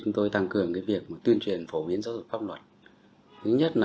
chúng tôi tăng cường việc tuyên truyền phổ biến giáo dục pháp luật